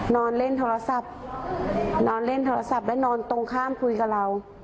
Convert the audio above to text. นอนเล่นโทรศัพท์นอนเล่นโทรศัพท์และนอนตรงข้ามคุยกับเรา